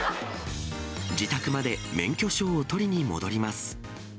自宅まで免許証を取りに戻ります。